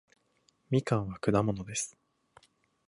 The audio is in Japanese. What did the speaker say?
みかんは果物です